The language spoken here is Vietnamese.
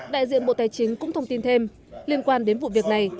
đại diện bộ tài chính cũng thông tin thêm liên quan đến vụ việc này